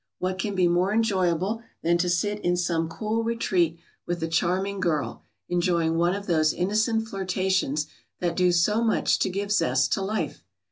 What can be more enjoyable than to sit in some cool retreat with a charming girl, enjoying one of those innocent flirtations that do so much to give zest to life?